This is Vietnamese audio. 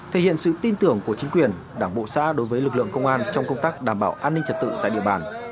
thể hiện sự tin tưởng của chính quyền đảng bộ xã đối với lực lượng công an trong công tác đảm bảo an ninh trật tự tại địa bàn